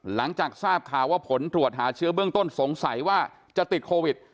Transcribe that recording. หลังจากทราบข่าวว่าผลตรวจหาเชื้อเบื้องต้นสงสัยว่าจะติดโควิด